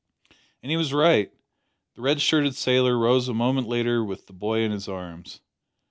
And he was right. The red shirted sailor rose a moment later with the boy in his arms.